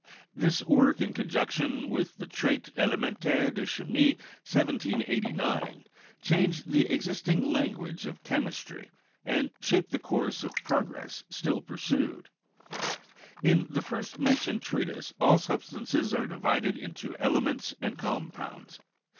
This work, in conjunction with the "Traite Elementaire de Chimie" (1789), changed the existing language of chemistry and shaped the course of progress still pursued. In the first mentioned treatise all substances are divided into elements and compounds.